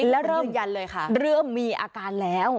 แล้วเริ่มมีอาการแล้ว